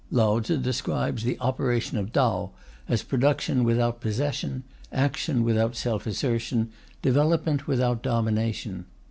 Lao Tze describes the operation of Tao as "production without possession, action without self assertion, development without domination."